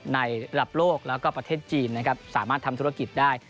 ระดับโลกแล้วก็ประเทศจีนนะครับสามารถทำธุรกิจได้